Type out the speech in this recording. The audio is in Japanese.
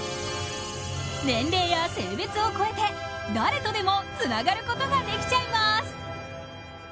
年齢や性別を超えて、誰とでもつながることができちゃいます。